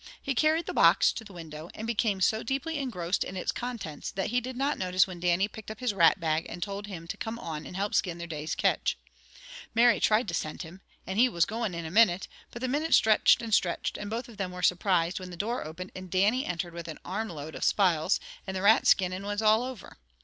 He carried the box to the window, and became so deeply engrossed in its contents that he did not notice when Dannie picked up his rat bag and told him to come on and help skin their day's catch. Mary tried to send him, and he was going in a minute, but the minute stretched and stretched, and both of them were surprised when the door opened and Dannie entered with an armload of spiles, and the rat skinning was all over.